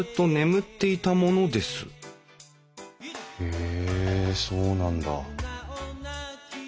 へえそうなんだ。